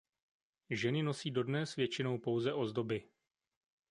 Ženy nosí dodnes většinou pouze ozdoby.